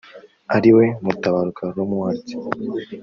ariwe Mutabaruka Romuald